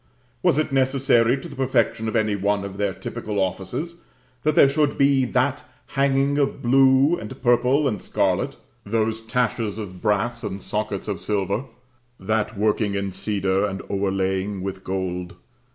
Was it necessary to the perfection of any one of their typical offices, that there should be that hanging of blue, and purple, and scarlet? those taches of brass and sockets of silver? that working in cedar and overlaying with gold?